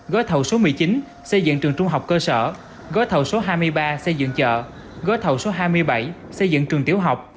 gói thầu số một mươi chín xây dựng trường trung học cơ sở gói thầu số hai mươi ba xây dựng chợ gói thầu số hai mươi bảy xây dựng trường tiểu học